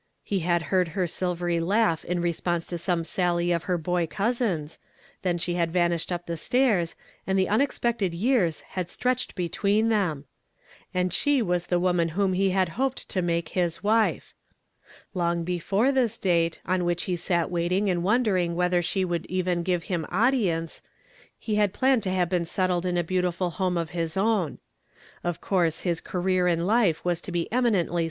He had heard her silvery laugh in re sponse to some sally of her boy cousin's, then she had vanished up the staire, and the unexpected years had stretched between them ! And she was the woman whom he had hoped to make his wife. Long before this date, on which he sat waiting and wondering whether she w^ould even give him audi ence, he had planned to have been settled in a ■ I'll lill t KKm ' 108 lESTERDAV FUAMED IN TO DAV.